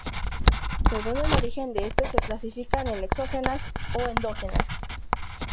Según el origen de este se clasifican en exógenas o endógenas.